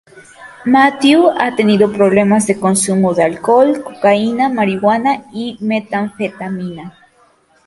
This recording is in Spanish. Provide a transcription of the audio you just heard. Matthew ha tenido problemas de consumo de alcohol, cocaína, marihuana y metanfetamina.